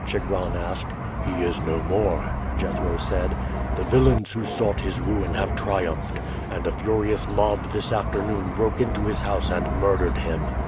Chigron asked. "He is no more," Jethro said. "The villains who sought his ruin have triumphed, and a furious mob this afternoon broke into his house and murdered him.